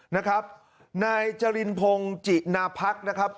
นะครับนายจรินพงศ์จินาพักนะครับ